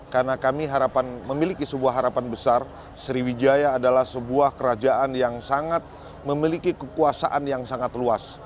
karena kami memiliki sebuah harapan besar sriwijaya adalah sebuah kerajaan yang sangat memiliki kekuasaan yang sangat luas